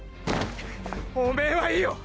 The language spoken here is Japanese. おめぇはいいよ！！